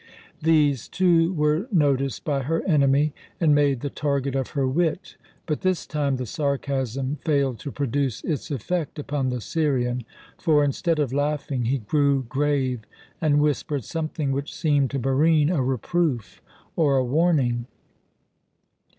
These, too, were noticed by her enemy and made the target of her wit; but this time the sarcasm failed to produce its effect upon the Syrian, for, instead of laughing, he grew grave, and whispered something which seemed to Barine a reproof or a warning.